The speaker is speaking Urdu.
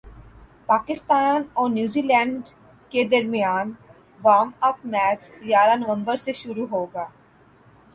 پاکستان اور نیوزی لینڈ اے کے درمیان وارم اپ میچ گیارہ نومبر سے شروع ہوگا